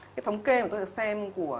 cái thống kê mà tôi đã xem của